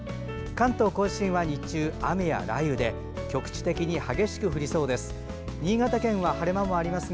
関東・甲信は日中、雨や雷雨で局地的に激しく降りそうです。